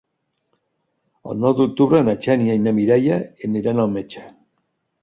El nou d'octubre na Xènia i na Mireia aniran al metge.